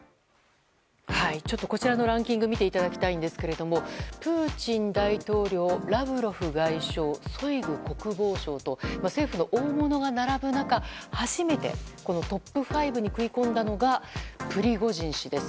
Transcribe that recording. こちらのランキング見ていただきたいんですけどもプーチン大統領ラブロフ外相ショイグ国防相と政府の大物が並ぶ中初めてトップ５に食い込んだのがプリゴジン氏です。